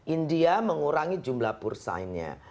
india mengurangi jumlah pur sign nya